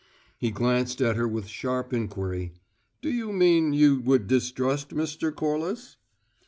He glanced at her with sharp inquiry. "Do you mean you would distrust Mr. Corliss?"